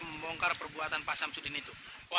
seberapa gantinya si pemuda itu